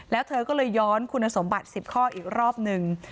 แล้วเธอก็เลยย้อนคุณสมบัติ๑๐ข้ออีกรอบหนึ่ง